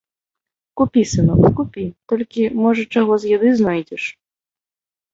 Купі, сынок, купі, толькі, можа, чаго з яды знойдзеш.